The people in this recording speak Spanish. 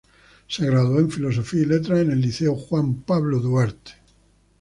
Se graduó en Filosofía y Letras en el Liceo Juan Pablo Duarte.